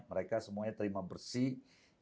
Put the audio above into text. mereka semuanya terima bersih